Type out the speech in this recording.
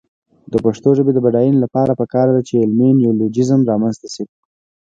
د پښتو ژبې د بډاینې لپاره پکار ده چې علمي نیولوجېزم رامنځته شي.